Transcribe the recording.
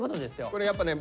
これやっぱね